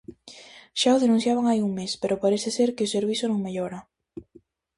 Xa o denunciaban hai un mes, pero parece ser que o servizo non mellora.